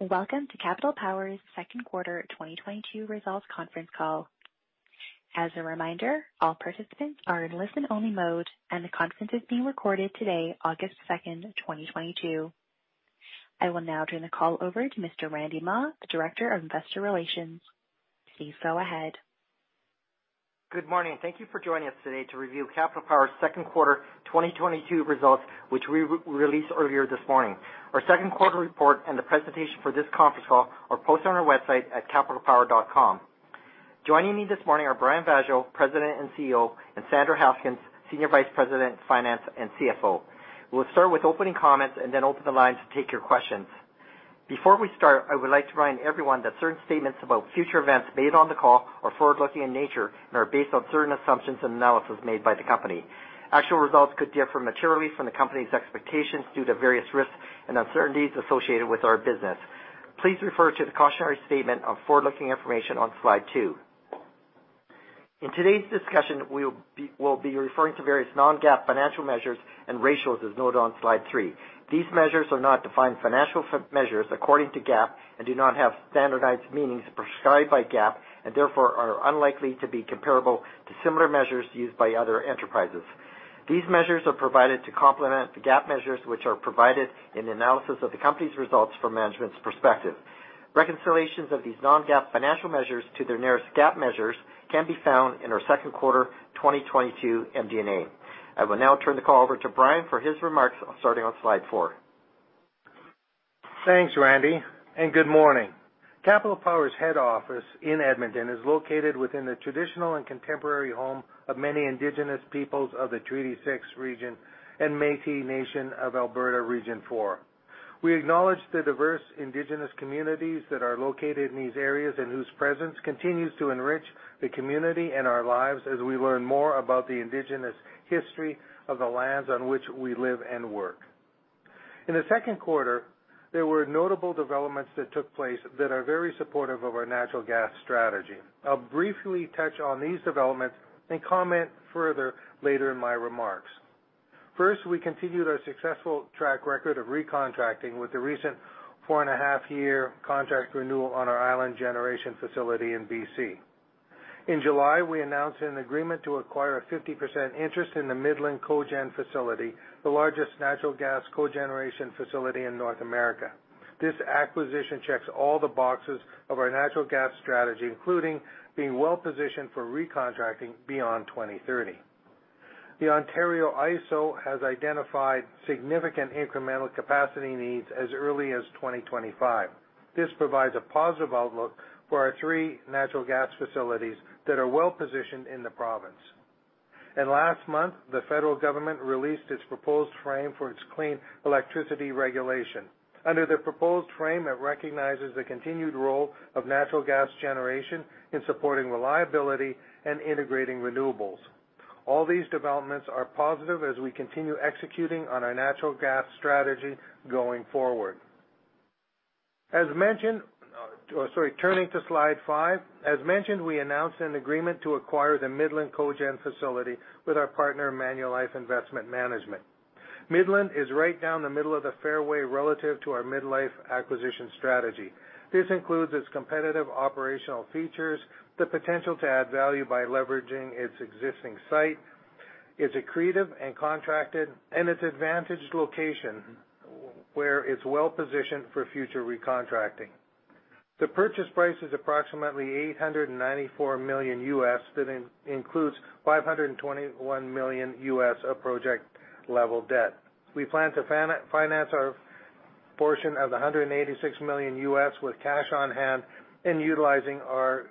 Welcome to Capital Power's second quarter 2022 results conference call. As a reminder, all participants are in listen-only mode, and the conference is being recorded today, August 2, 2022. I will now turn the call over to Mr. Randy Mah, the Director of Investor Relations. Please go ahead. Good morning. Thank you for joining us today to review Capital Power's second quarter 2022 results, which we release earlier this morning. Our second quarter report and the presentation for this conference call are posted on our website at capitalpower.com. Joining me this morning are Brian Vaasjo, President and CEO, and Sandra Haskins, Senior Vice President, Finance and CFO. We'll start with opening comments and then open the lines to take your questions. Before we start, I would like to remind everyone that certain statements about future events made on the call are forward-looking in nature and are based on certain assumptions and analysis made by the company. Actual results could differ materially from the company's expectations due to various risks and uncertainties associated with our business. Please refer to the cautionary statement on forward-looking information on slide two. In today's discussion, we'll be referring to various non-GAAP financial measures and ratios as noted on slide three. These measures are not defined financial measures according to GAAP and do not have standardized meanings prescribed by GAAP and therefore are unlikely to be comparable to similar measures used by other enterprises. These measures are provided to complement the GAAP measures which are provided in the analysis of the company's results for management's perspective. Reconciliations of these non-GAAP financial measures to their nearest GAAP measures can be found in our second quarter 2022 MD&A. I will now turn the call over to Brian for his remarks, starting on slide four. Thanks, Randy, and good morning. Capital Power's head office in Edmonton is located within the traditional and contemporary home of many indigenous peoples of the Treaty six region and Métis Nation of Alberta Region 4. We acknowledge the diverse indigenous communities that are located in these areas and whose presence continues to enrich the community and our lives as we learn more about the indigenous history of the lands on which we live and work. In the second quarter, there were notable developments that took place that are very supportive of our natural gas strategy. I'll briefly touch on these developments and comment further later in my remarks. First, we continued our successful track record of recontracting with the recent four and a half year contract renewal on our Island Generation facility in BC. In July, we announced an agreement to acquire a 50% interest in the Midland Cogen facility, the largest natural gas cogeneration facility in North America. This acquisition checks all the boxes of our natural gas strategy, including being well-positioned for recontracting beyond 2030. The IESO has identified significant incremental capacity needs as early as 2025. This provides a positive outlook for our three natural gas facilities that are well-positioned in the province. Last month, the federal government released its proposed framework for its Clean Electricity Regulations. Under the proposed framework, it recognizes the continued role of natural gas generation in supporting reliability and integrating renewables. All these developments are positive as we continue executing on our natural gas strategy going forward. Sorry. Turning to slide five. As mentioned, we announced an agreement to acquire the Midland Cogen facility with our partner, Manulife Investment Management. Midland is right down the middle of the fairway relative to our mid-life acquisition strategy. This includes its competitive operational features, the potential to add value by leveraging its existing site, its accretive and contracted, and its advantaged location, where it's well-positioned for future recontracting. The purchase price is approximately $894 million, that includes $521 million of project-level debt. We plan to finance our portion of $186 million with cash on hand and utilizing our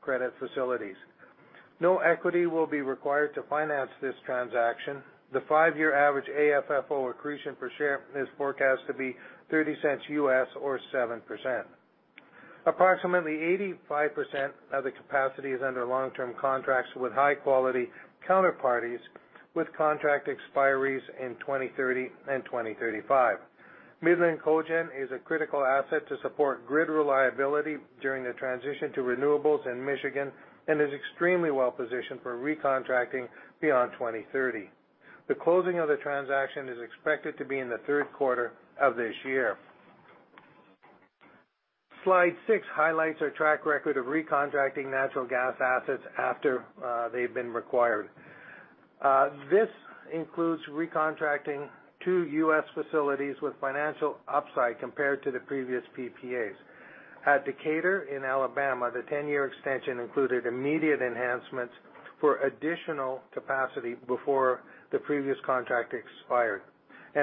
credit facilities. No equity will be required to finance this transaction. The five-year average AFFO accretion per share is forecast to be $0.30 or 7%. Approximately 85% of the capacity is under long-term contracts with high-quality counterparties, with contract expiries in 2030 and 2035. Midland Cogen is a critical asset to support grid reliability during the transition to renewables in Michigan and is extremely well-positioned for recontracting beyond 2030. The closing of the transaction is expected to be in the third quarter of this year. Slide six highlights our track record of recontracting natural gas assets after they've expired. This includes recontracting two U.S. facilities with financial upside compared to the previous PPAs. At Decatur in Alabama, the 10-year extension included immediate enhancements for additional capacity before the previous contract expired.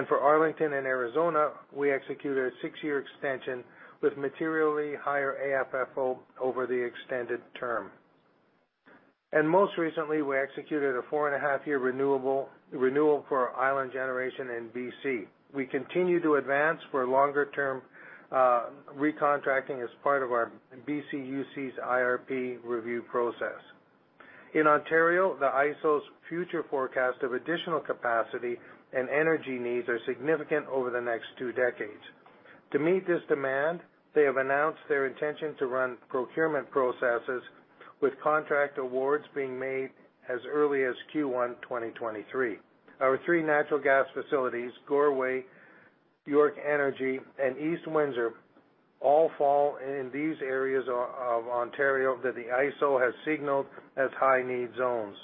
For Arlington in Arizona, we executed a six year extension with materially higher AFFO over the extended term. Most recently, we executed a four and a half year renewal for our Island Generation in B.C. We continue to advance for longer-term recontracting as part of our BCUC's IRP review process. In Ontario, the IESO's future forecast of additional capacity and energy needs are significant over the next two decades. To meet this demand, they have announced their intention to run procurement processes. With contract awards being made as early as Q1 2023. Our three natural gas facilities, Goreway, York Energy, and East Windsor, all fall in these areas of Ontario that the IESO has signaled as high-need zones.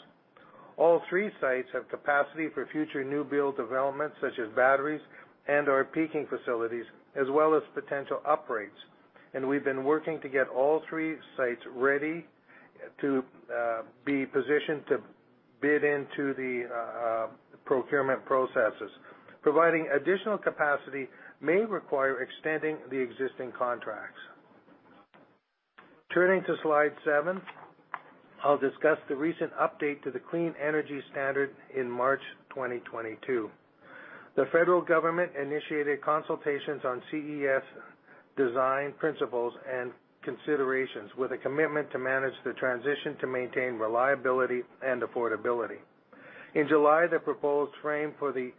All three sites have capacity for future new build developments such as batteries and/or peaking facilities, as well as potential upgrades, and we've been working to get all three sites ready to be positioned to bid into the procurement processes. Providing additional capacity may require extending the existing contracts. Turning to slide seven, I'll discuss the recent update to the Clean Electricity Standard in March 2022. The federal government initiated consultations on CES design principles and considerations with a commitment to manage the transition to maintain reliability and affordability. In July, the proposed frame for the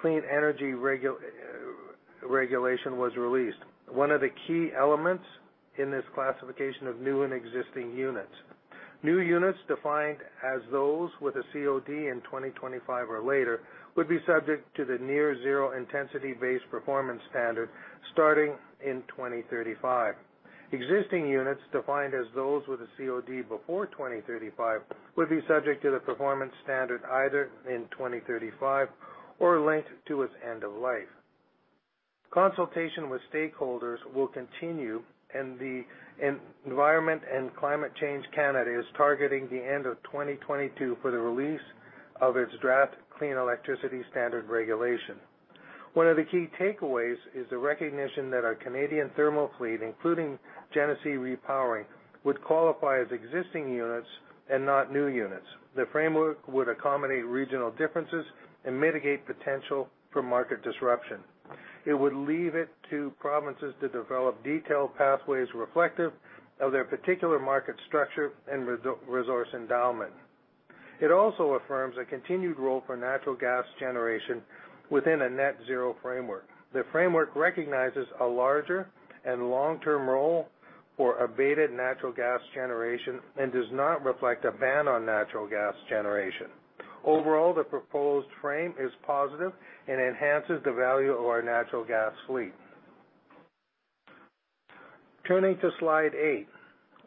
Clean Electricity Regulations was released. One of the key elements in this classification of new and existing units. New units defined as those with a COD in 2025 or later, would be subject to the near zero intensity-based performance standard starting in 2035. Existing units defined as those with a COD before 2035 would be subject to the performance standard either in 2035 or linked to its end of life. Consultation with stakeholders will continue, and the Environment and Climate Change Canada is targeting the end of 2022 for the release of its draft Clean Electricity Regulations. One of the key takeaways is the recognition that our Canadian thermal fleet, including Genesee Repowering, would qualify as existing units and not new units. The framework would accommodate regional differences and mitigate potential for market disruption. It would leave it to provinces to develop detailed pathways reflective of their particular market structure and resource endowment. It also affirms a continued role for natural gas generation within a net zero framework. The framework recognizes a larger and long-term role for abated natural gas generation and does not reflect a ban on natural gas generation. Overall, the proposed framework is positive and enhances the value of our natural gas fleet. Turning to slide eight.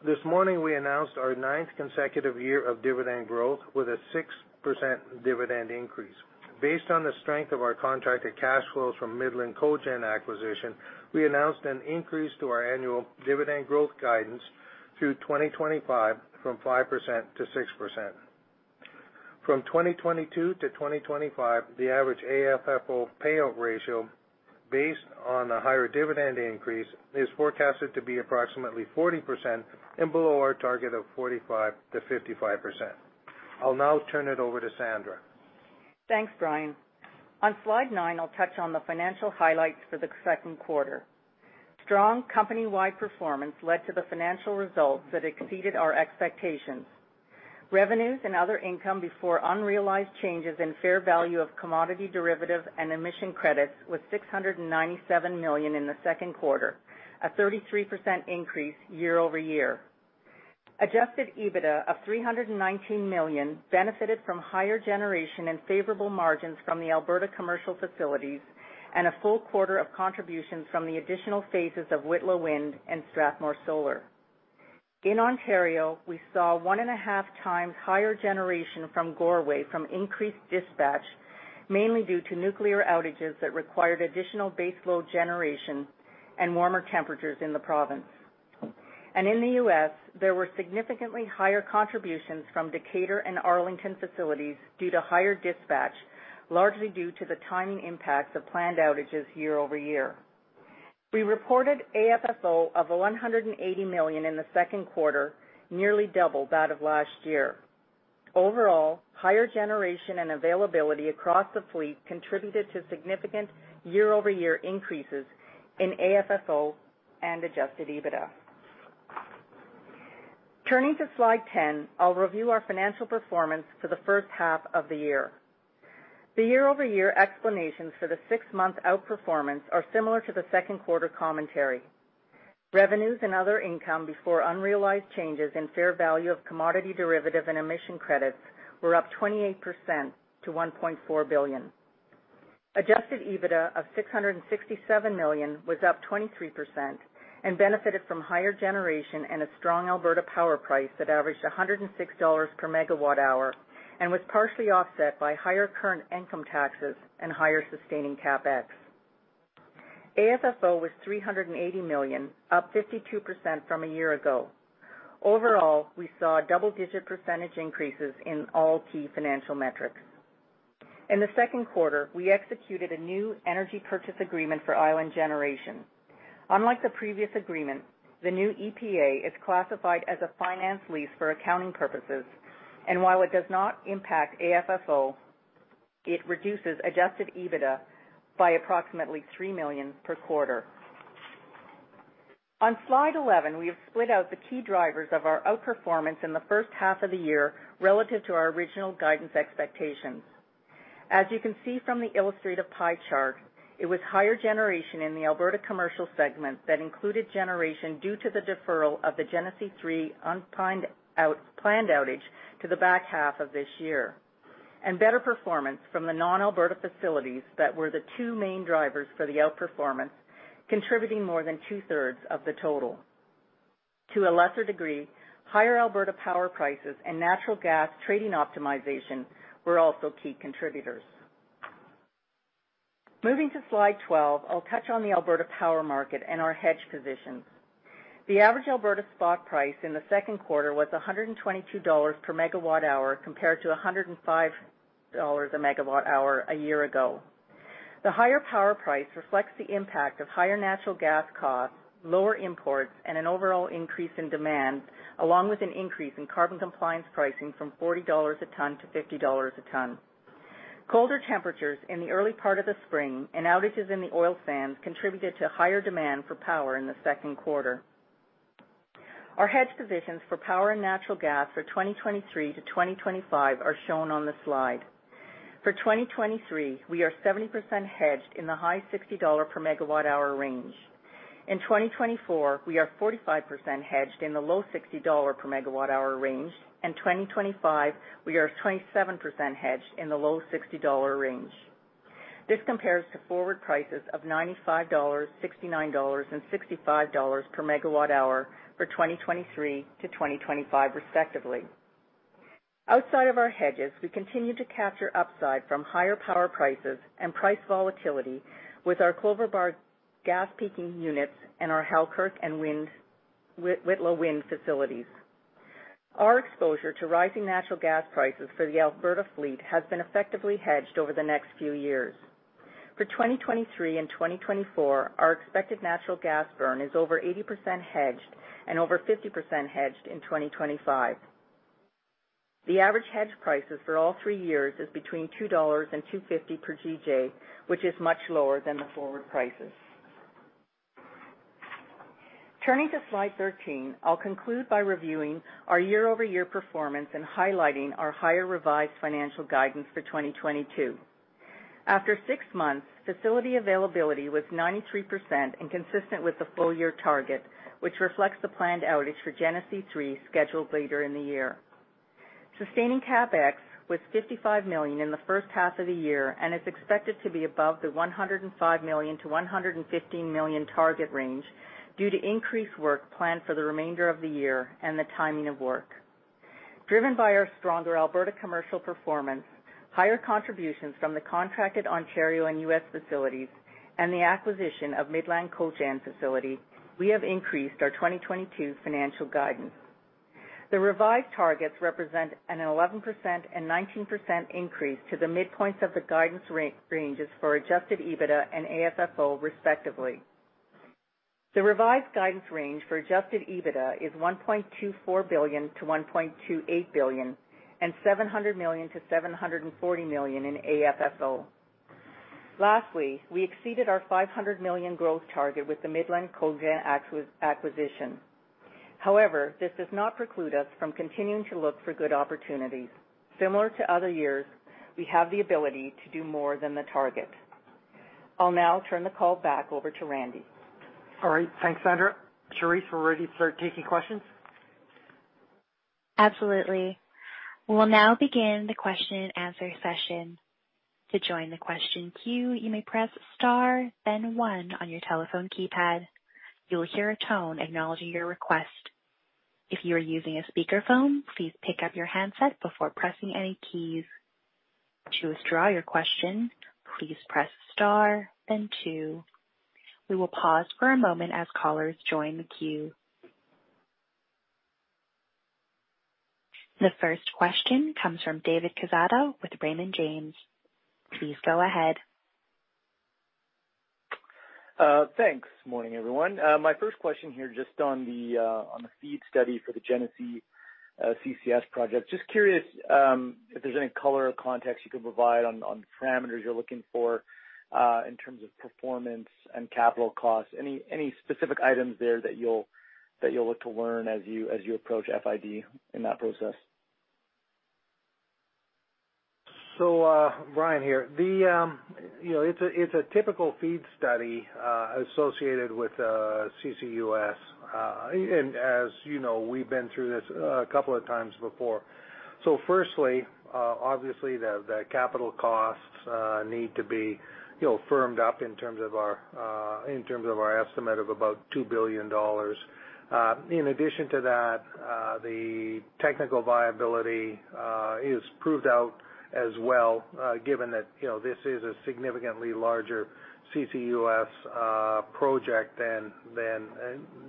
This morning, we announced our ninth consecutive year of dividend growth with a 6% dividend increase. Based on the strength of our contracted cash flows from Midland Cogen acquisition, we announced an increase to our annual dividend growth guidance through 2025 from 5% to 6%. From 2022 to 2025, the average AFFO payout ratio based on a higher dividend increase is forecasted to be approximately 40% and below our target of 45%-55%. I'll now turn it over to Sandra. Thanks, Brian. On slide nine, I'll touch on the financial highlights for the second quarter. Strong company-wide performance led to the financial results that exceeded our expectations. Revenues and other income before unrealized changes in fair value of commodity derivatives and emission credits was 697 million in the second quarter, a 33% increase year-over-year. Adjusted EBITDA of 319 million benefited from higher generation and favorable margins from the Alberta commercial facilities and a full quarter of contributions from the additional phases of Whitla Wind and Strathmore Solar. In Ontario, we saw 1.5x higher generation from Goreway from increased dispatch, mainly due to nuclear outages that required additional baseload generation and warmer temperatures in the province. In the U.S., there were significantly higher contributions from Decatur and Arlington facilities due to higher dispatch, largely due to the timing impacts of planned outages year-over-year. We reported AFFO of 180 million in the second quarter, nearly double that of last year. Overall, higher generation and availability across the fleet contributed to significant year-over-year increases in AFFO and adjusted EBITDA. Turning to slide 10, I'll review our financial performance for the first half of the year. The year-over-year explanations for the six-month outperformance are similar to the second quarter commentary. Revenues and other income before unrealized changes in fair value of commodity derivative and emission credits were up 28% to 1.4 billion. Adjusted EBITDA of 667 million was up 23% and benefited from higher generation and a strong Alberta power price that averaged 106 dollars per megawatt hour and was partially offset by higher current income taxes and higher sustaining CapEx. AFFO was 380 million, up 52% from a year ago. Overall, we saw double-digit percentage increases in all key financial metrics. In the second quarter, we executed a new energy purchase agreement for Island Generation. Unlike the previous agreement, the new EPA is classified as a finance lease for accounting purposes, and while it does not impact AFFO, it reduces adjusted EBITDA by approximately 3 million per quarter. On slide 11, we have split out the key drivers of our outperformance in the first half of the year relative to our original guidance expectations. As you can see from the illustrative pie chart, it was higher generation in the Alberta commercial segment that included generation due to the deferral of the Genesee 3 unplanned outage to the back half of this year. Better performance from the non-Alberta facilities that were the two main drivers for the outperformance, contributing more than two-thirds of the total. To a lesser degree, higher Alberta power prices and natural gas trading optimization were also key contributors. Moving to slide 12, I'll touch on the Alberta power market and our hedge positions. The average Alberta spot price in the second quarter was 122 dollars per MWh compared to 105 dollars per MWh a year ago. The higher power price reflects the impact of higher natural gas costs, lower imports, and an overall increase in demand, along with an increase in carbon compliance pricing from 40 dollars a ton to 50 dollars a ton. Colder temperatures in the early part of the spring and outages in the oil sands contributed to higher demand for power in the second quarter. Our hedge positions for power and natural gas for 2023 to 2025 are shown on the slide. For 2023, we are 70% hedged in the high CAD 60 per MWh range. In 2024, we are 45% hedged in the low CAD 60 per MWh range, and in 2025, we are 27% hedged in the low CAD 60 range. This compares to forward prices of CAD 95, CAD 69, and CAD 65 per MWh for 2023 to 2025 respectively. Outside of our hedges, we continue to capture upside from higher power prices and price volatility with our Cloverbar gas peaking units and our Halkirk and Whitla wind facilities. Our exposure to rising natural gas prices for the Alberta fleet has been effectively hedged over the next few years. For 2023 and 2024, our expected natural gas burn is over 80% hedged and over 50% hedged in 2025. The average hedge prices for all three years is between 2 dollars and 2.50 per GJ, which is much lower than the forward prices. Turning to slide 13, I'll conclude by reviewing our year-over-year performance and highlighting our higher revised financial guidance for 2022. After six months, facility availability was 93% and consistent with the full-year target, which reflects the planned outage for Genesee 3 scheduled later in the year. Sustaining CapEx was 55 million in the first half of the year and is expected to be above the 105 million-115 million target range due to increased work planned for the remainder of the year and the timing of work. Driven by our stronger Alberta commercial performance, higher contributions from the contracted Ontario and U.S. facilities, and the acquisition of Midland Cogen facility, we have increased our 2022 financial guidance. The revised targets represent an 11% and 19% increase to the midpoints of the guidance ranges for adjusted EBITDA and AFFO, respectively. The revised guidance range for adjusted EBITDA is 1.24 billion-1.28 billion and 700 million-740 million in AFFO. Lastly, we exceeded our 500 million growth target with the Midland Cogen acquisition. However, this does not preclude us from continuing to look for good opportunities. Similar to other years, we have the ability to do more than the target. I'll now turn the call back over to Randy. All right. Thanks, Sandra. Charisse, we're ready to start taking questions. Absolutely. We will now begin the question-and-answer session. To join the question queue, you may press star then one on your telephone keypad. You will hear a tone acknowledging your request. If you are using a speakerphone, please pick up your handset before pressing any keys. To withdraw your question, please press star then two. We will pause for a moment as callers join the queue. The first question comes from David Quezada with Raymond James. Please go ahead. Thanks. Morning, everyone. My first question here, just on the FEED study for the Genesee CCS project. Just curious, if there's any color or context you can provide on the parameters you're looking for in terms of performance and capital costs. Any specific items there that you'll look to learn as you approach FID in that process? Brian here. You know, it's a typical FEED study associated with CCUS. As you know, we've been through this a couple of times before. Firstly, obviously the capital costs need to be firmed up in terms of our estimate of about 2 billion dollars. In addition to that, the technical viability is proved out as well, given that, you know, this is a significantly larger CCUS project than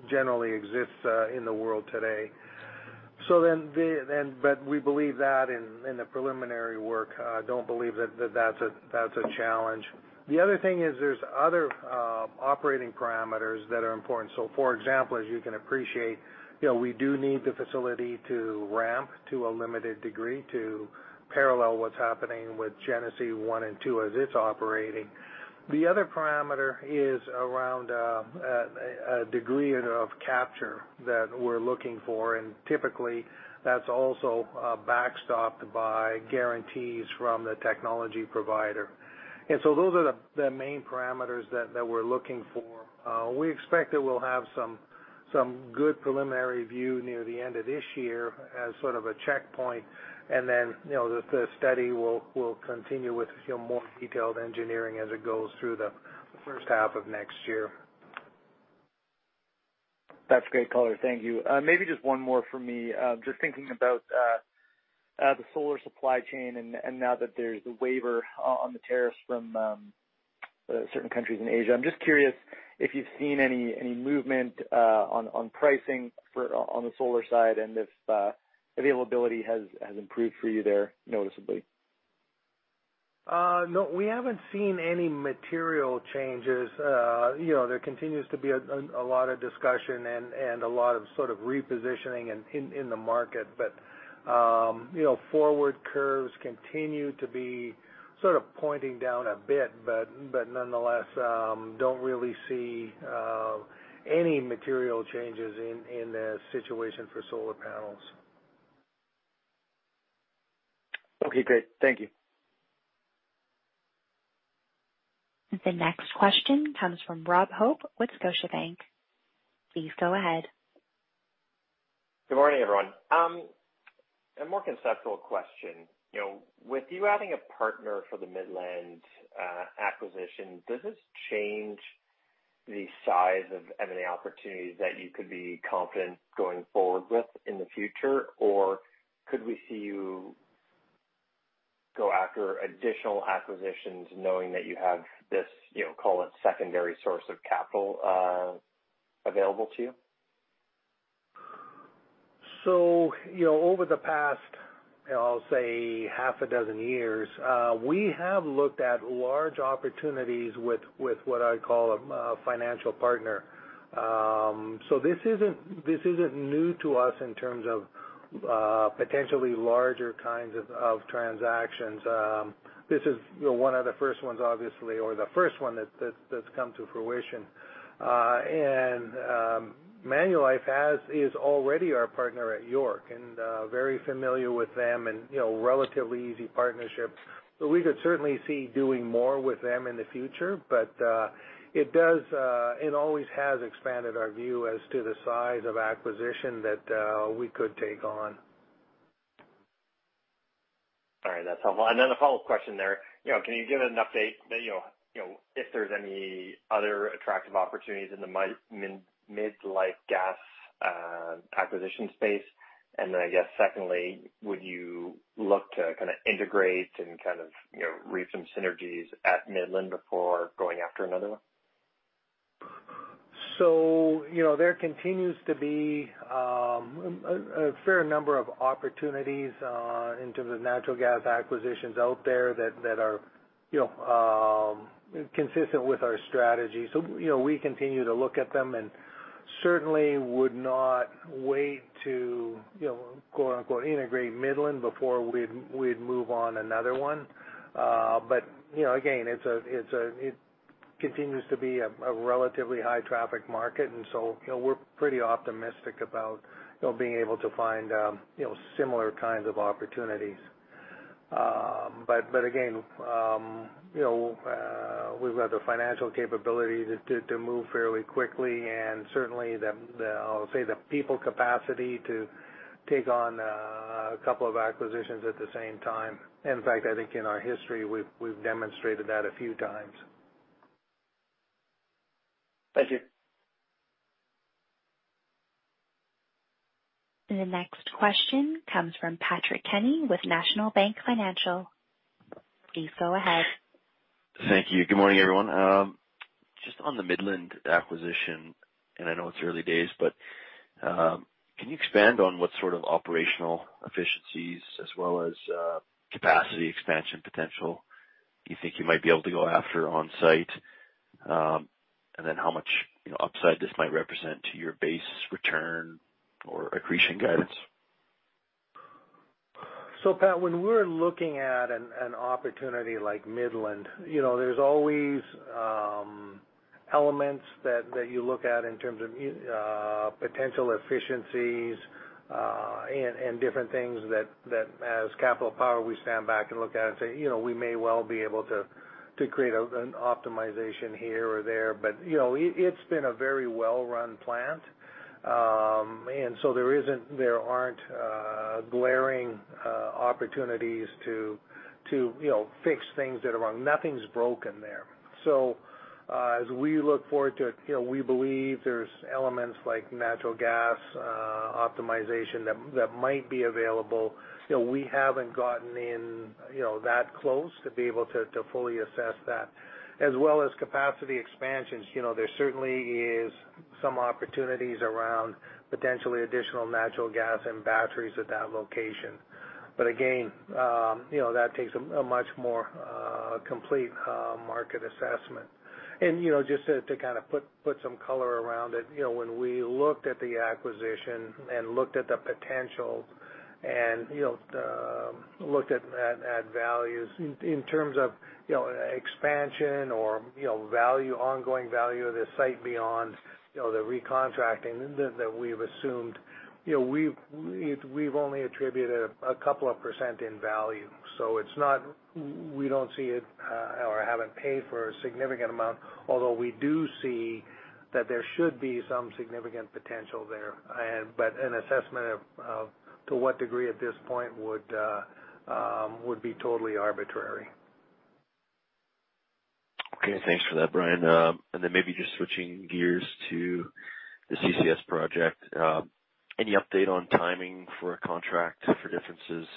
generally exists in the world today. We believe that in the preliminary work, don't believe that that's a challenge. The other thing is there's other operating parameters that are important. For example, as you can appreciate, you know, we do need the facility to ramp to a limited degree to parallel what's happening with Genesee 1 and 2 as it's operating. The other parameter is around a degree of capture that we're looking for, and typically that's also backstopped by guarantees from the technology provider. Those are the main parameters that we're looking for. We expect that we'll have some good preliminary view near the end of this year as sort of a checkpoint. You know, the study will continue with a few more detailed engineering as it goes through the first half of next year. That's great color. Thank you. Maybe just one more from me. Just thinking about the solar supply chain and now that there's the waiver on the tariffs from certain countries in Asia. I'm just curious if you've seen any movement on pricing for the solar side and if availability has improved for you there noticeably. No, we haven't seen any material changes. You know, there continues to be a lot of discussion and a lot of sort of repositioning in the market. You know, forward curves continue to be sort of pointing down a bit, but nonetheless, don't really see any material changes in the situation for solar panels. Okay, great. Thank you. The next question comes from Rob Hope with Scotiabank. Please go ahead. Good morning, everyone. A more conceptual question. You know, with you adding a partner for the Midland acquisition, does this change the size of M&A opportunities that you could be confident going forward with in the future? Or could we see you go after additional acquisitions knowing that you have this, you know, call it secondary source of capital, available to you? You know, over the past, I'll say half a dozen years, we have looked at large opportunities with what I call a financial partner. This isn't new to us in terms of potentially larger kinds of transactions. This is, you know, one of the first ones obviously, or the first one that's come to fruition. Manulife is already our partner at York, and very familiar with them and, you know, relatively easy partnership. We could certainly see doing more with them in the future, but it does, it always has expanded our view as to the size of acquisition that we could take on. All right. That's helpful. A follow-up question there. You know, can you give an update that, you know, you know, if there's any other attractive opportunities in the mid-life gas acquisition space? I guess secondly, would you look to kind of integrate and kind of, you know, reap some synergies at Midland before going after another one? You know, there continues to be a fair number of opportunities in terms of natural gas acquisitions out there that are, you know, consistent with our strategy. You know, we continue to look at them and certainly would not wait to, you know, quote, unquote, "integrate Midland" before we'd move on another one. You know, again, it continues to be a relatively high traffic market. You know, we're pretty optimistic about, you know, being able to find, you know, similar kinds of opportunities. Again, you know, we've got the financial capability to move fairly quickly and certainly the, I'll say, the people capacity to take on a couple of acquisitions at the same time. In fact, I think in our history, we've demonstrated that a few times. Thank you. The next question comes from Patrick Kenny with National Bank Financial. Please go ahead. Thank you. Good morning, everyone. Just on the Midland acquisition, and I know it's early days, but can you expand on what sort of operational efficiencies as well as capacity expansion potential you think you might be able to go after on-site? How much, you know, upside this might represent to your base return or accretion guidance? Pat, when we're looking at an opportunity like Midland, you know, there's always elements that you look at in terms of potential efficiencies and different things that as Capital Power, we stand back and look at and say, you know, we may well be able to create an optimization here or there. You know, it's been a very well-run plant. There aren't glaring opportunities to you know, fix things that are wrong. Nothing's broken there. As we look forward to it, you know, we believe there's elements like natural gas optimization that might be available. You know, we haven't gotten in that close to be able to fully assess that. As well as capacity expansions. You know, there certainly is some opportunities around potentially additional natural gas and batteries at that location. Again, you know, that takes a much more complete market assessment. You know, just to kind of put some color around it, you know, when we looked at the acquisition and looked at the potential and, you know, looked at values in terms of, you know, expansion or, you know, value, ongoing value of the site beyond, you know, the recontracting that we've assumed, you know, we've only attributed a couple of percent in value. It's not. We don't see it or haven't paid for a significant amount, although we do see that there should be some significant potential there. An assessment of to what degree at this point would be totally arbitrary. Okay, thanks for that, Brian. Maybe just switching gears to the CCS project. Any update on timing for a contract for differences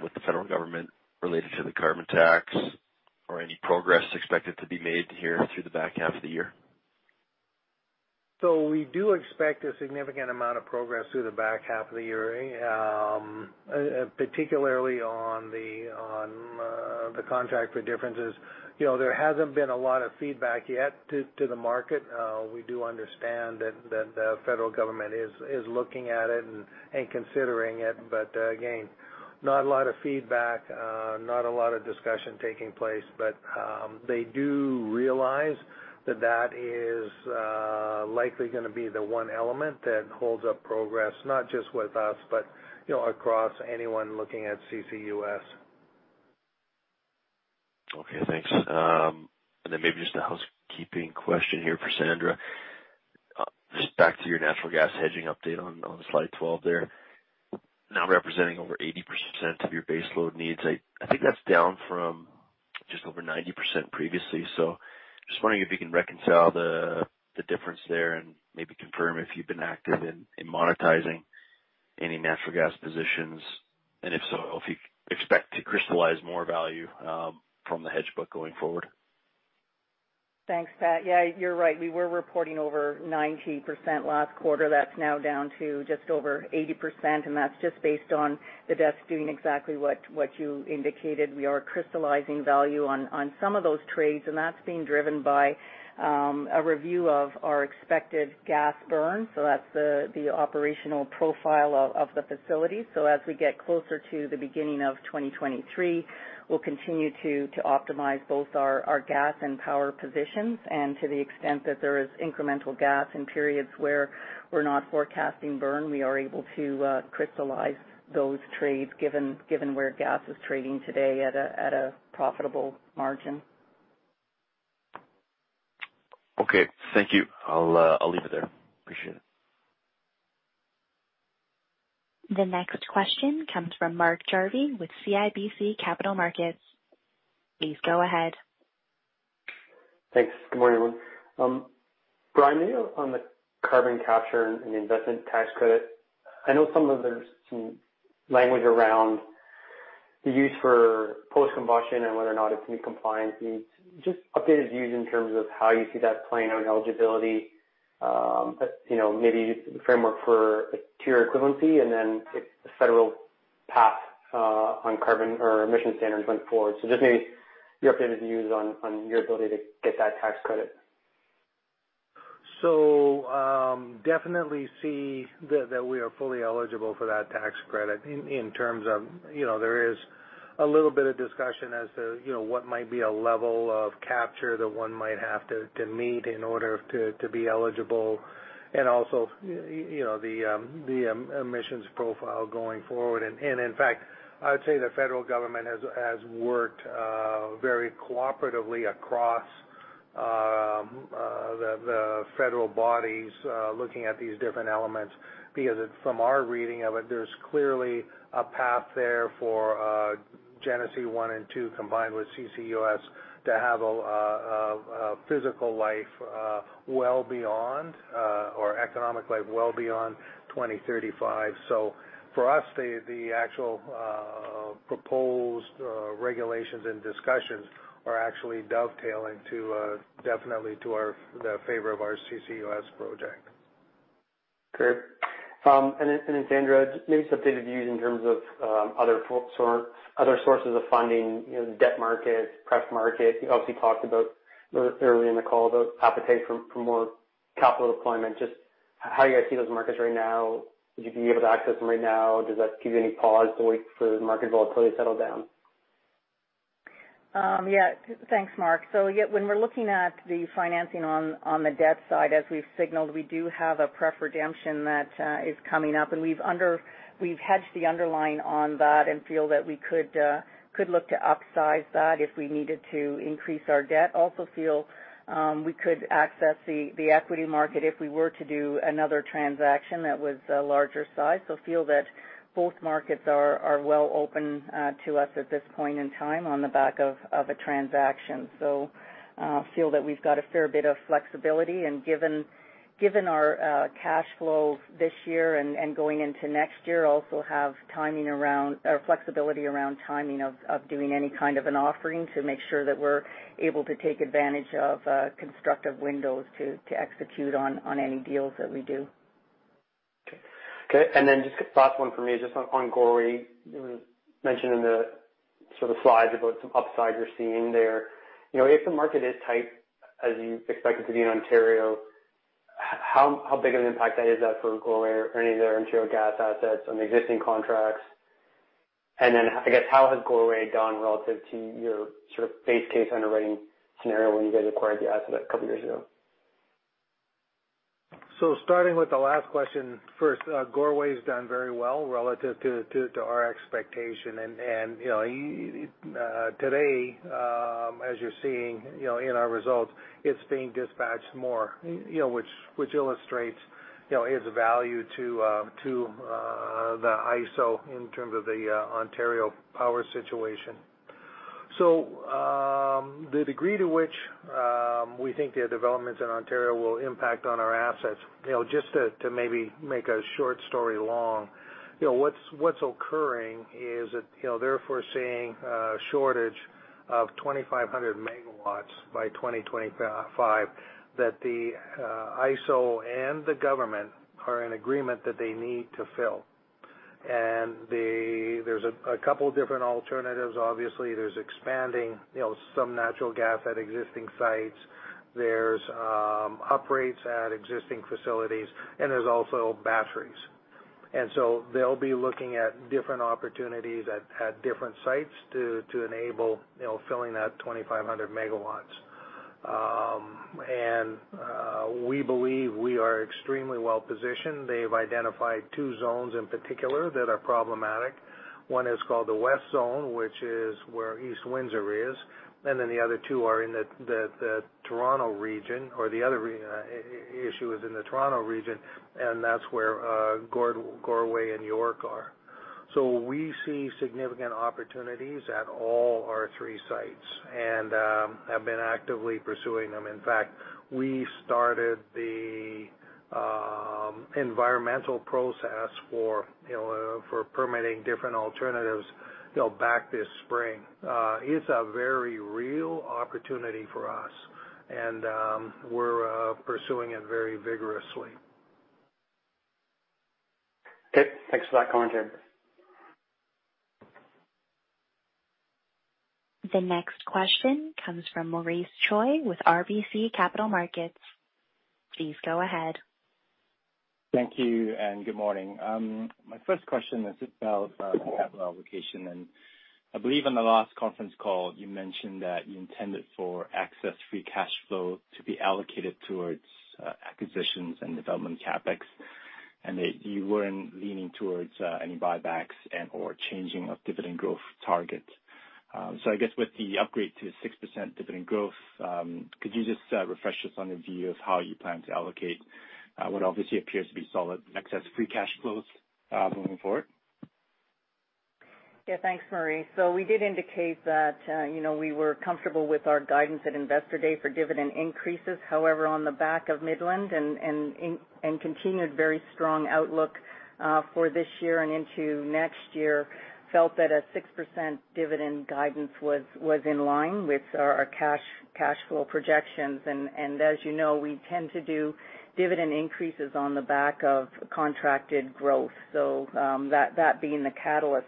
with the federal government related to the carbon tax or any progress expected to be made here through the back half of the year? We do expect a significant amount of progress through the back half of the year, particularly on the contract for differences. You know, there hasn't been a lot of feedback yet to the market. We do understand that the federal government is looking at it and considering it. Again, not a lot of feedback, not a lot of discussion taking place, but they do realize that that is likely gonna be the one element that holds up progress, not just with us, but, you know, across anyone looking at CCUS. Okay, thanks. Then maybe just a housekeeping question here for Sandra. Just back to your natural gas hedging update on slide 12 there. Now representing over 80% of your base load needs. I think that's down from just over 90% previously. Just wondering if you can reconcile the difference there and maybe confirm if you've been active in monetizing any natural gas positions. If so, if you expect to crystallize more value from the hedge book going forward. Thanks, Pat. Yeah, you're right. We were reporting over 90% last quarter. That's now down to just over 80%, and that's just based on the desk doing exactly what you indicated. We are crystallizing value on some of those trades, and that's being driven by a review of our expected gas burn. That's the operational profile of the facility. As we get closer to the beginning of 2023, we'll continue to optimize both our gas and power positions. To the extent that there is incremental gas in periods where we're not forecasting burn, we are able to crystallize those trades given where gas is trading today at a profitable margin. Okay. Thank you. I'll leave it there. Appreciate it. The next question comes from Mark Jarvi with CIBC Capital Markets. Please go ahead. Thanks. Good morning, everyone. Brian, on the carbon capture and the investment tax credit, I know there's some language around the use for post combustion and whether or not it's going to be compliance needs. Just updated views in terms of how you see that playing on eligibility, you know, maybe framework for tier equivalency and then the federal path, on carbon or emission standards going forward. Just maybe your updated views on your ability to get that tax credit. Definitely see that we are fully eligible for that tax credit in terms of, you know, there is a little bit of discussion as to, you know, what might be a level of capture that one might have to meet in order to be eligible and also, you know, the emissions profile going forward. In fact, I would say the federal government has worked very cooperatively across the federal bodies looking at these different elements. Because from our reading of it, there's clearly a path there for Genesee 1 and 2, combined with CCUS, to have a physical life well beyond, or economic life well beyond 2035. For us, the actual proposed regulations and discussions are actually dovetailing definitely to the favor of our CCUS project. Great. Sandra, maybe some updated views in terms of other sources of funding, you know, the debt market, pref market. You obviously talked about earlier in the call the appetite for more capital deployment. Just how you guys see those markets right now. Would you be able to access them right now? Does that give you any pause to wait for the market volatility to settle down? Yeah. Thanks, Mark. Yeah, when we're looking at the financing on the debt side, as we've signaled, we do have a pref redemption that is coming up. We've hedged the underlying on that and feel that we could look to upsize that if we needed to increase our debt. Also feel we could access the equity market if we were to do another transaction that was a larger size. Feel that both markets are well open to us at this point in time on the back of a transaction. Feel that we've got a fair bit of flexibility. Given our cash flows this year and going into next year, also have timing around or flexibility around timing of doing any kind of an offering to make sure that we're able to take advantage of constructive windows to execute on any deals that we do. Okay. Just last one for me, just on Goreway. It was mentioned in the sort of slides about some upside you're seeing there. You know, if the market is tight as you expect it to be in Ontario, how big of an impact is that for Goreway or any of their Ontario gas assets on existing contracts? I guess, how has Goreway done relative to your sort of base case underwriting scenario when you guys acquired the asset a couple years ago? Starting with the last question first, Goreway has done very well relative to our expectation. You know, today, as you're seeing, you know, in our results, it's being dispatched more, you know, which illustrates, you know, its value to the IESO in terms of the Ontario power situation. The degree to which we think the developments in Ontario will impact on our assets, you know, just to maybe make a short story long, you know, what's occurring is that, you know, they're foreseeing a shortage of 2,500 MW by 2025 that the IESO and the government are in agreement that they need to fill. There's a couple different alternatives. Obviously, there's expanding, you know, some natural gas at existing sites. There's upgrades at existing facilities, and there's also batteries. They'll be looking at different opportunities at different sites to enable, you know, filling that 2,500 MW. We believe we are extremely well-positioned. They've identified two zones in particular that are problematic. One is called the West Zone, which is where East Windsor is, and then the other issue is in the Toronto region, and that's where Goreway and York are. We see significant opportunities at all our three sites and have been actively pursuing them. In fact, we started the environmental process for, you know, for permitting different alternatives, you know, back this spring. It's a very real opportunity for us and we're pursuing it very vigorously. Okay. Thanks for that commentary. The next question comes from Maurice Choy with RBC Capital Markets. Please go ahead. Thank you, and good morning. My first question is about capital allocation. I believe in the last conference call, you mentioned that you intended for excess free cash flow to be allocated towards acquisitions and development CapEx, and that you weren't leaning towards any buybacks and/or changing of dividend growth targets. I guess with the upgrade to 6% dividend growth, could you just refresh us on your view of how you plan to allocate what obviously appears to be solid excess free cash flows moving forward? Yeah. Thanks, Maurice. We did indicate that, you know, we were comfortable with our guidance at Investor Day for dividend increases. However, on the back of Midland and continued very strong outlook for this year and into next year, felt that a 6% dividend guidance was in line with our cash flow projections. As you know, we tend to do dividend increases on the back of contracted growth. That being the catalyst.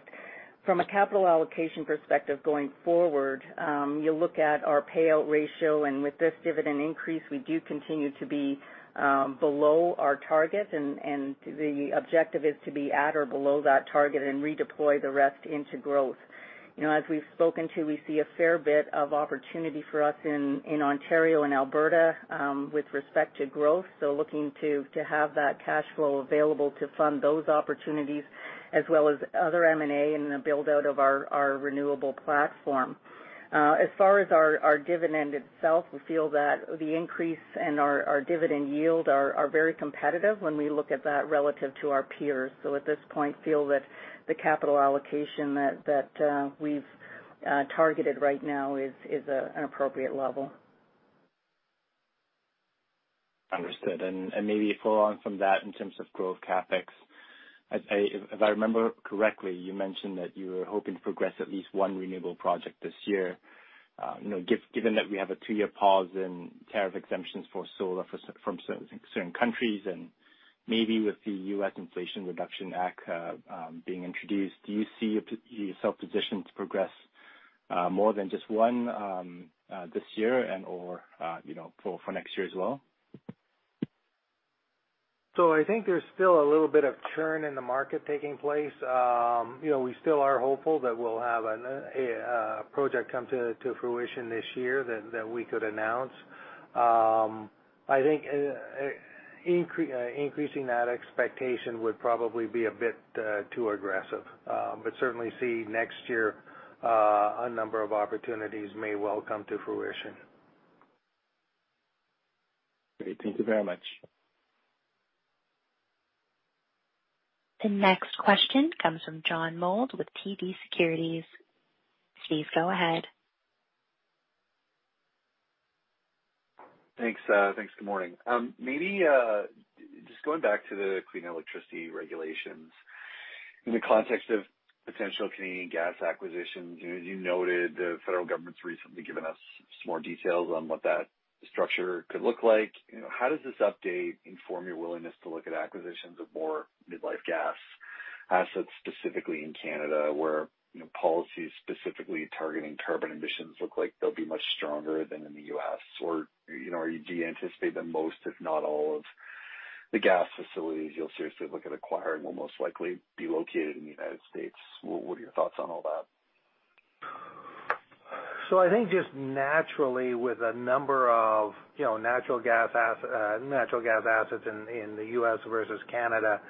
From a capital allocation perspective going forward, you look at our payout ratio, and with this dividend increase, we do continue to be below our target. The objective is to be at or below that target and redeploy the rest into growth. You know, as we've spoken to, we see a fair bit of opportunity for us in Ontario and Alberta with respect to growth. Looking to have that cash flow available to fund those opportunities as well as other M&A in the build-out of our renewable platform. As far as our dividend itself, we feel that the increase and our dividend yield are very competitive when we look at that relative to our peers. At this point, feel that the capital allocation that we've targeted right now is an appropriate level. Understood. Maybe follow on from that in terms of growth CapEx. If I remember correctly, you mentioned that you were hoping to progress at least one renewable project this year. Given that we have a two-year pause in tariff exemptions for solar from certain countries and maybe with the U.S. Inflation Reduction Act being introduced, do you see yourself positioned to progress more than just one this year and or for next year as well? I think there's still a little bit of churn in the market taking place. You know, we still are hopeful that we'll have a project come to fruition this year that we could announce. I think increasing that expectation would probably be a bit too aggressive. Certainly see next year a number of opportunities may well come to fruition. Great. Thank you very much. The next question comes from John Mould with TD Securities. Please go ahead. Thanks. Good morning. Maybe just going back to the Clean Electricity Regulations. In the context of potential Canadian gas acquisitions, you know, you noted the federal government's recently given us some more details on what that structure could look like. You know, how does this update inform your willingness to look at acquisitions of more mid-life gas assets, specifically in Canada, where, you know, policies specifically targeting carbon emissions look like they'll be much stronger than in the U.S.? Or, you know, or do you anticipate that most, if not all, of the gas facilities you'll seriously look at acquiring will most likely be located in the United States? What are your thoughts on all that? I think just naturally with a number of, you know, natural gas assets in the U.S. versus Canada,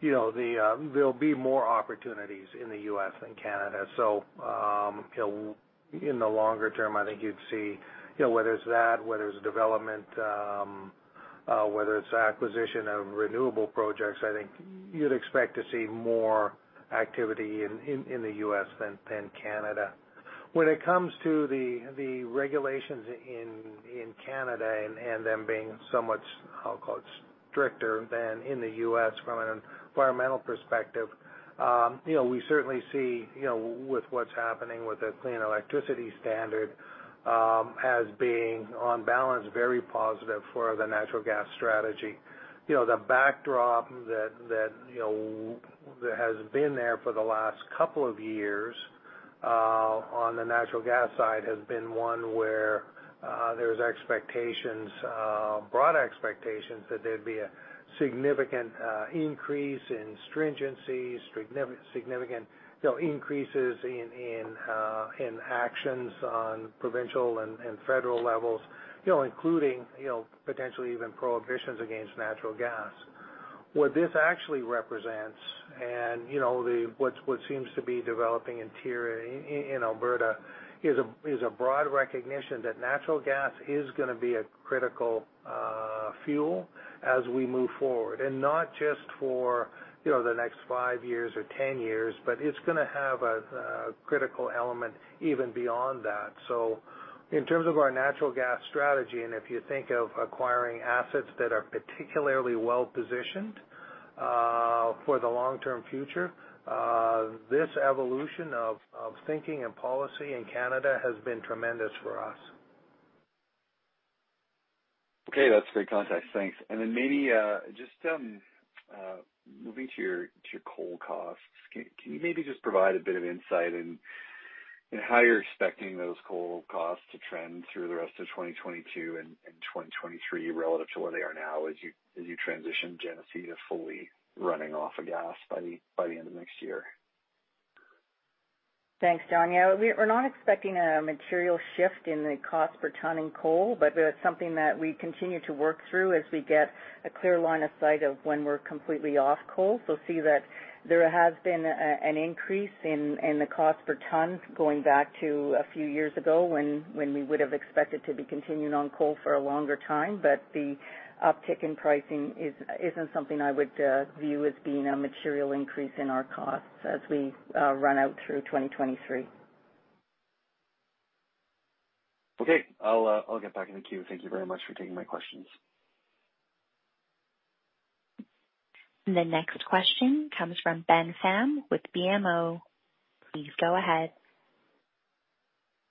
you know, there'll be more opportunities in the U.S. than Canada. In the longer term, I think you'd see, you know, whether it's that, whether it's development, whether it's acquisition of renewable projects, I think you'd expect to see more activity in the U.S. than Canada. When it comes to the regulations in Canada and them being so much, I'll call it stricter than in the U.S. from an environmental perspective, you know, we certainly see, you know, with what's happening with the Clean Electricity Standard, as being on balance very positive for the natural gas strategy. You know, the backdrop that you know that has been there for the last couple of years on the natural gas side has been one where there's expectations broad expectations that there'd be a significant increase in stringency significant you know increases in actions on provincial and federal levels you know including you know potentially even prohibitions against natural gas. What this actually represents and you know what seems to be developing in TIER in Alberta is a broad recognition that natural gas is gonna be a critical fuel as we move forward and not just for you know the next five years or 10 years but it's gonna have a critical element even beyond that. In terms of our natural gas strategy, and if you think of acquiring assets that are particularly well-positioned for the long-term future, this evolution of thinking and policy in Canada has been tremendous for us. Okay. That's great context. Thanks. Maybe just moving to your coal costs. Can you maybe just provide a bit of insight in how you're expecting those coal costs to trend through the rest of 2022 and 2023 relative to where they are now as you transition Genesee to fully running off of gas by the end of next year? Thanks, John. Yeah. We're not expecting a material shift in the cost per ton in coal, but that's something that we continue to work through as we get a clear line of sight of when we're completely off coal. See that there has been an increase in the cost per ton going back to a few years ago when we would have expected to be continuing on coal for a longer time. The uptick in pricing isn't something I would view as being a material increase in our costs as we run out through 2023. Okay. I'll get back in the queue. Thank you very much for taking my questions. The next question comes from Ben Pham with BMO. Please go ahead.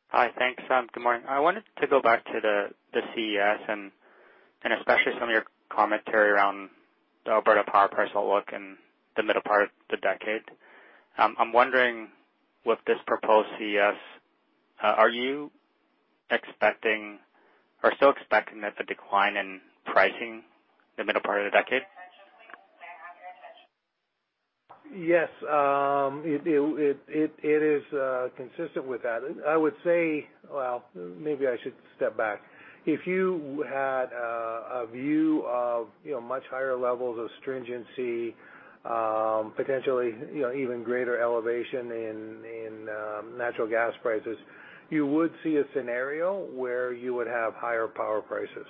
Hi. Thanks. Good morning. I wanted to go back to the CES and especially some of your commentary around the Alberta power price outlook in the middle part of the decade. I'm wondering, with this proposed CES, are you expecting or still expecting that the decline in pricing the middle part of the decade? Yes. It is consistent with that. I would say. Well, maybe I should step back. If you had a view of, you know, much higher levels of stringency, potentially, you know, even greater elevation in natural gas prices, you would see a scenario where you would have higher power prices.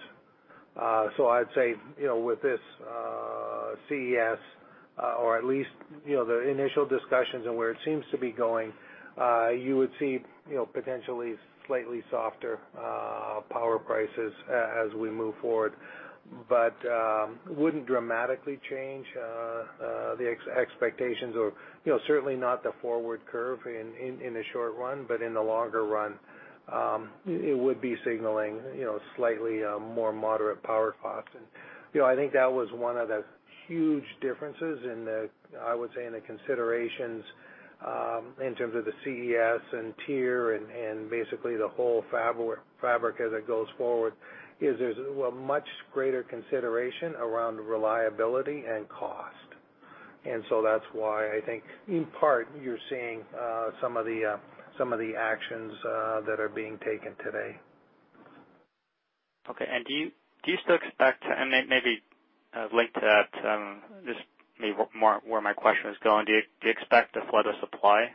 I'd say, you know, with this CES, or at least, you know, the initial discussions and where it seems to be going, you would see, you know, potentially slightly softer power prices as we move forward. It wouldn't dramatically change the expectations or, you know, certainly not the forward curve in the short run, but in the longer run, it would be signaling, you know, slightly more moderate power costs. You know, I think that was one of the huge differences in the, I would say, in the considerations, in terms of the CES and TIER and basically the whole fabric as it goes forward, is there's a much greater consideration around reliability and cost. That's why I think in part you're seeing some of the actions that are being taken today. Okay. Do you still expect, and maybe linked to that, this may be more where my question is going, do you expect a flood of supply?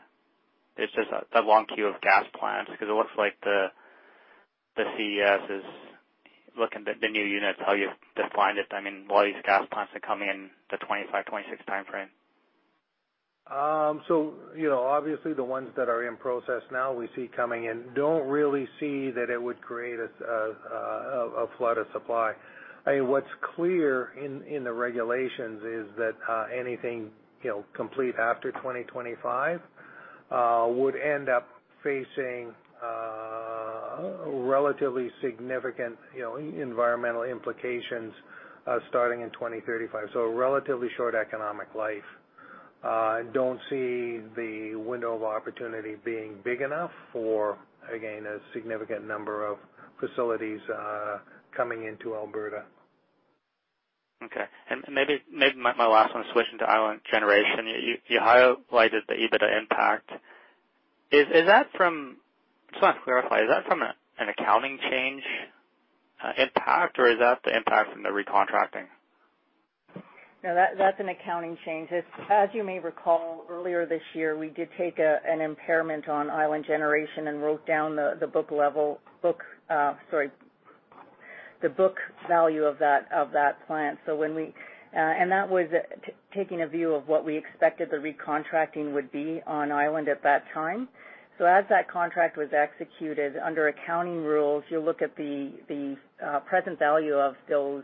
It's just that long queue of gas plants, 'cause it looks like the CES is looking at the new units, how you've defined it, I mean, all these gas plants that come in the 2025-2026 timeframe. You know, obviously the ones that are in process now we see coming in don't really see that it would create a flood of supply. I mean, what's clear in the regulations is that anything you know complete after 2025 would end up facing relatively significant you know environmental implications starting in 2035. A relatively short economic life. I don't see the window of opportunity being big enough for again a significant number of facilities coming into Alberta. Okay. Maybe my last one. Switching to island generation. You highlighted the EBITDA impact. Just wanna clarify, is that from an accounting change impact, or is that the impact from the recontracting? No, that's an accounting change. As you may recall, earlier this year, we did take an impairment on island generation and wrote down the book value of that plant. That was taking a view of what we expected the recontracting would be on island at that time. As that contract was executed, under accounting rules, you look at the present value of those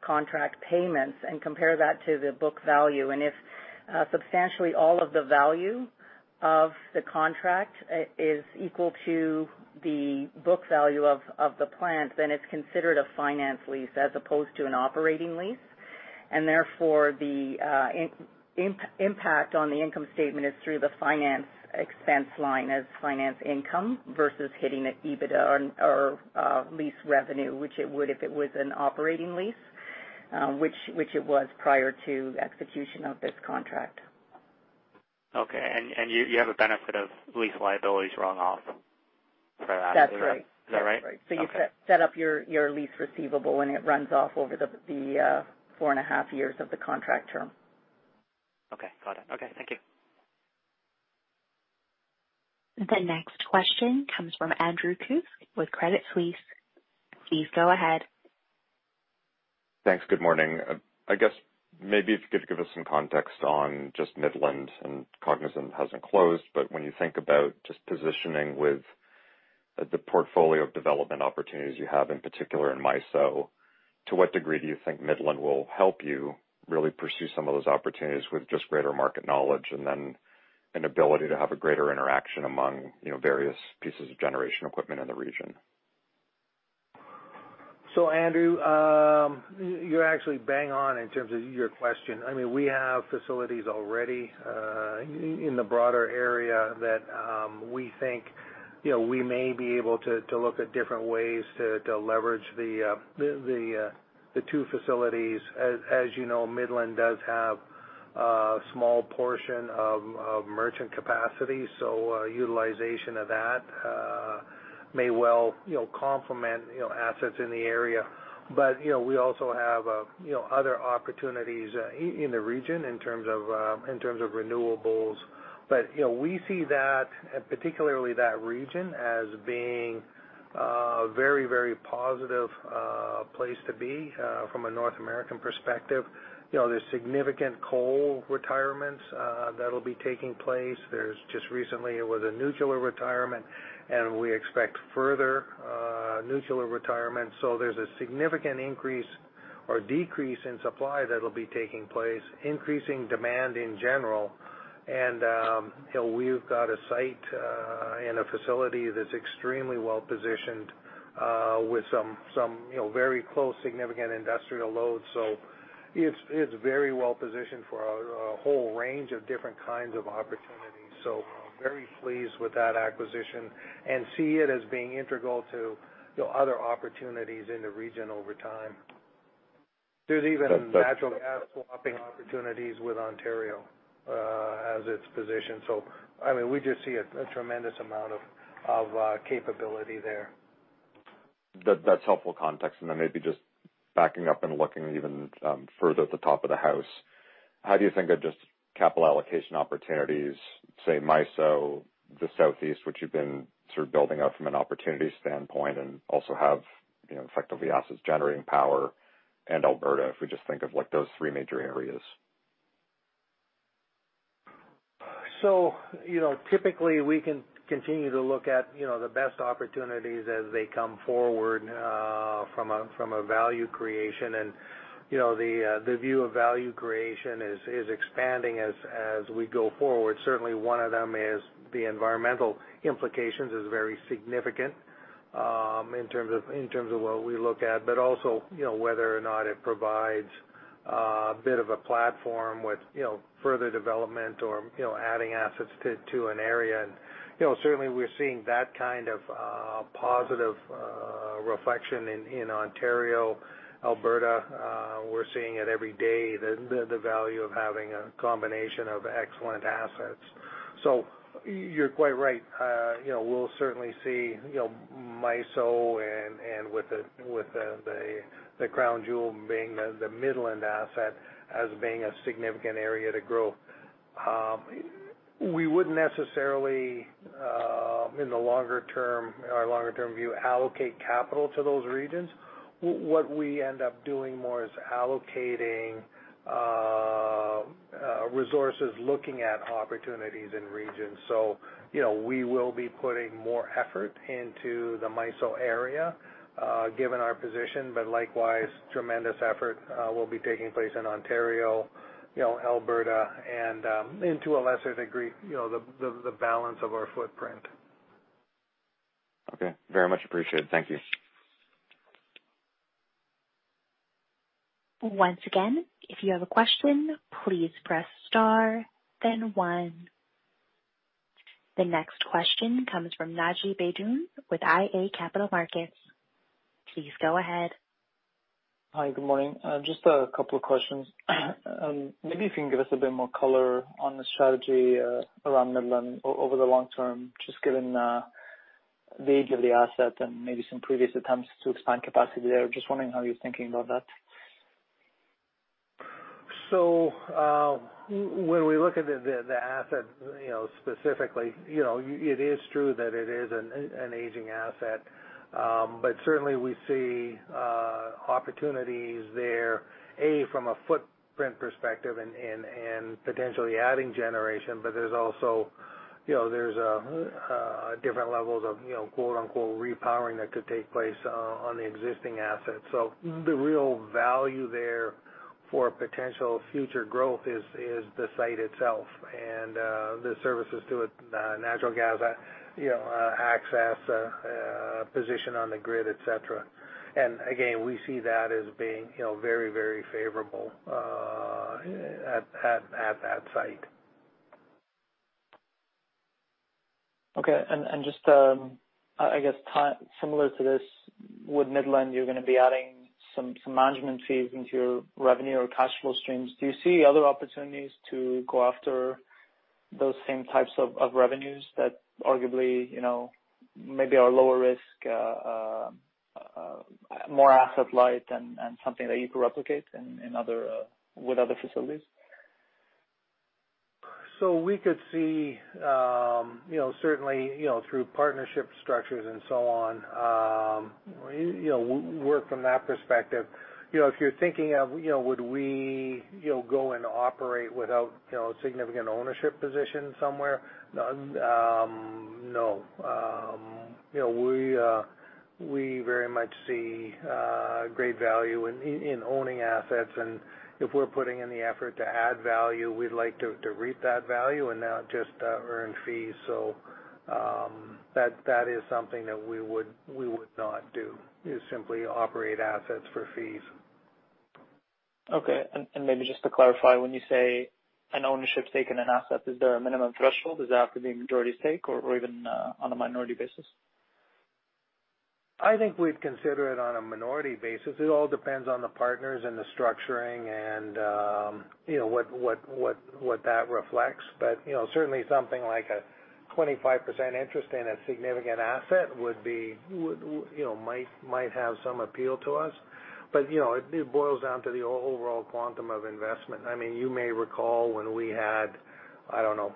contract payments and compare that to the book value. If substantially all of the value of the contract is equal to the book value of the plant, then it's considered a finance lease as opposed to an operating lease. Therefore, the impact on the income statement is through the finance expense line as finance income versus hitting EBITDA or lease revenue, which it would if it was an operating lease, which it was prior to execution of this contract. Okay. You have a benefit of lease liabilities run off for that. That's right. Is that right? You set up your lease receivable, and it runs off over the four and a half years of the contract term. Okay. Got it. Okay. Thank you. The next question comes from Andrew Kuske with Credit Suisse. Please go ahead. Thanks. Good morning. I guess maybe if you could give us some context on just Midland, and Cogen hasn't closed, but when you think about just positioning with the portfolio of development opportunities you have, in particular in MISO, to what degree do you think Midland will help you really pursue some of those opportunities with just greater market knowledge and then an ability to have a greater interaction among, you know, various pieces of generation equipment in the region? Andrew, you're actually bang on in terms of your question. I mean, we have facilities already, in the broader area that, we think, you know, we may be able to look at different ways to leverage the two facilities. As you know, Midland does have a small portion of merchant capacity, so utilization of that may well, you know, complement assets in the area. You know, we also have other opportunities in the region in terms of renewables. You know, we see that, particularly that region, as being very, very positive place to be from a North American perspective. You know, there's significant coal retirements that'll be taking place. There's just recently it was a nuclear retirement, and we expect further nuclear retirement. There's a significant increase or decrease in supply that'll be taking place, increasing demand in general. We've got a site and a facility that's extremely well-positioned with some, you know, very close significant industrial loads. It's very well positioned for a whole range of different kinds of opportunities. Very pleased with that acquisition and see it as being integral to, you know, other opportunities in the region over time. There's even natural gas swapping opportunities with Ontario as it's positioned. I mean, we just see a tremendous amount of capability there. That's helpful context. Then maybe just backing up and looking even further at the top of the house, how do you think of just capital allocation opportunities, say MISO, the Southeast, which you've been sort of building up from an opportunity standpoint and also have, you know, effectively assets generating power and Alberta, if we just think of, like, those three major areas? You know, typically we can continue to look at, you know, the best opportunities as they come forward from a value creation. You know, the view of value creation is expanding as we go forward. Certainly one of them is the environmental implications is very significant in terms of what we look at, but also, you know, whether or not it provides a bit of a platform with, you know, further development or, you know, adding assets to an area. You know, certainly we're seeing that kind of positive reflection in Ontario. Alberta, we're seeing it every day, the value of having a combination of excellent assets. You're quite right. You know, we'll certainly see, you know, MISO and with the crown jewel being the Midland asset as being a significant area to grow. We wouldn't necessarily, in the longer term view, allocate capital to those regions. What we end up doing more is allocating resources, looking at opportunities in regions. You know, we will be putting more effort into the MISO area, given our position, but likewise, tremendous effort will be taking place in Ontario, you know, Alberta, and to a lesser degree, you know, the balance of our footprint. Okay. Very much appreciated. Thank you. Once again, if you have a question, please press star then one. The next question comes from Naji Beydoun with iA Capital Markets. Please go ahead. Hi, good morning. Just a couple of questions. Maybe if you can give us a bit more color on the strategy around Midland over the long term, just given the age of the asset and maybe some previous attempts to expand capacity there. Just wondering how you're thinking about that. When we look at the asset, you know, specifically, you know, it is true that it is an aging asset. Certainly we see opportunities there from a footprint perspective and potentially adding generation. There's also, you know, different levels of, you know, quote-unquote, repowering that could take place on the existing assets. The real value there for potential future growth is the site itself and the services to it, natural gas, you know, access, position on the grid, et cetera. Again, we see that as being, you know, very favorable at that site. Okay. Just, I guess similar to this, with Midland, you're gonna be adding some management fees into your revenue or cash flow streams. Do you see other opportunities to go after those same types of revenues that arguably, you know, maybe are lower risk, more asset light and something that you could replicate in other, with other facilities? We could see, you know, certainly, you know, through partnership structures and so on, you know, work from that perspective. You know, if you're thinking of, you know, would we, you know, go and operate without, you know, significant ownership position somewhere? No. You know, we very much see great value in owning assets. If we're putting in the effort to add value, we'd like to reap that value and not just earn fees. That is something that we would not do, is simply operate assets for fees. Okay. Maybe just to clarify, when you say an ownership stake in an asset, is there a minimum threshold? Is it after the majority stake or even on a minority basis? I think we'd consider it on a minority basis. It all depends on the partners and the structuring and, you know, what that reflects. You know, certainly something like a 25% interest in a significant asset would be, you know, might have some appeal to us. You know, it boils down to the overall quantum of investment. I mean, you may recall when we had, I don't know,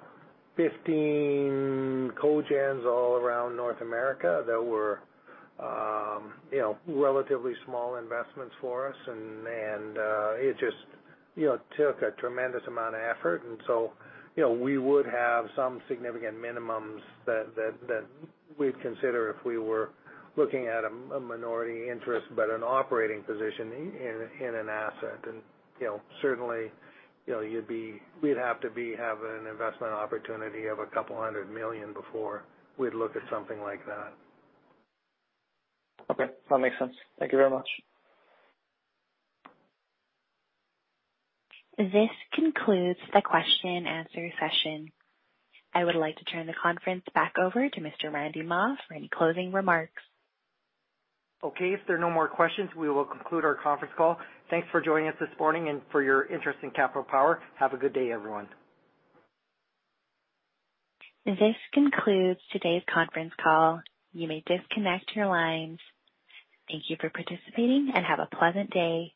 15 cogens all around North America that were, you know, relatively small investments for us. It just, you know, took a tremendous amount of effort. You know, we would have some significant minimums that we'd consider if we were looking at a minority interest, but an operating position in an asset. You know, certainly, you know, we'd have to be having an investment opportunity of 200 million before we'd look at something like that. Okay. That makes sense. Thank you very much. This concludes the question and answer session. I would like to turn the conference back over to Mr. Randy Mah for any closing remarks. Okay. If there are no more questions, we will conclude our conference call. Thanks for joining us this morning and for your interest in Capital Power. Have a good day, everyone. This concludes today's conference call. You may disconnect your lines. Thank you for participating, and have a pleasant day.